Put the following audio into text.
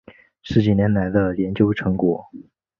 十几年来的研究成果